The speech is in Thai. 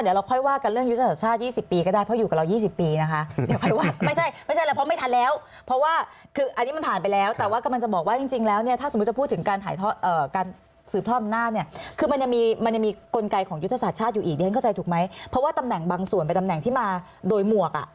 อีกเดือนเข้าใจถูกไหมเพราะว่าตำแหน่งบางส่วนเป็นตำแหน่งที่มาโดยหมวก